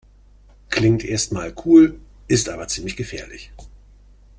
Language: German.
Klingt erst mal cool, ist aber ziemlich gefährlich.